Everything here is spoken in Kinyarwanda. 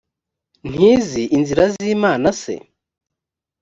ntizi inzira z imana se